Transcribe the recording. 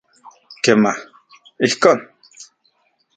Kema, ijkon.